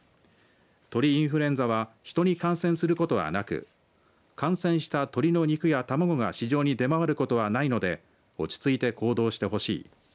鳥インフルエンザは人に感染することはなく感染した鳥の肉や卵が市場に出回ることはないので落ち着いて行動してほしい。